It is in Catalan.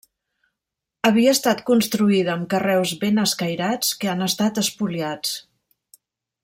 Havia estat construïda amb carreus ben escairats que han estat espoliats.